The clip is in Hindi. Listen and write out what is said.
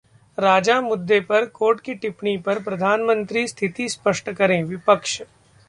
राजा मुद्दे पर कोर्ट की टिप्पणी पर प्रधानमंत्री स्थिति स्पष्ट करें: विपक्ष